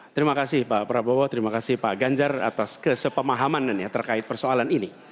terima kasih pak prabowo terima kasih pak ganjar atas kesepemahaman terkait persoalan ini